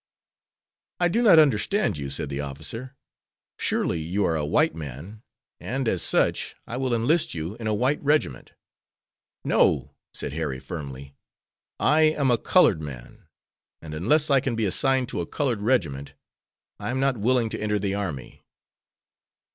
"I do not understand you," said the officer. "Surely you are a white man, and, as such, I will enlist you in a white regiment." "No," said Harry, firmly, "I am a colored man, and unless I can be assigned to a colored regiment I am not willing to enter the army."